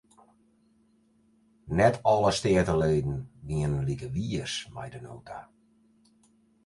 Net alle steateleden wienen like wiis mei de nota.